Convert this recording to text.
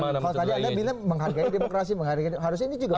kalau tadi anda bilang menghargai demokrasi harusnya ini juga bagian dari demokrasi